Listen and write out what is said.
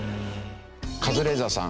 カズレーザーさん